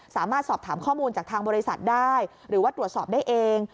สามารถสอบถามข้อมูลจากทางบริษัทได้หรือว่าตรวจสอบได้เอง